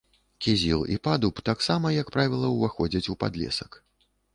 Кізіл і падуб таксама, як правіла, уваходзяць у падлесак.